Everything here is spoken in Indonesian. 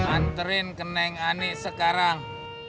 anterin ke neng anik sekarang